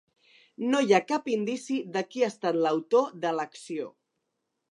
No hi ha cap indici de qui ha estat l’autor de l’acció.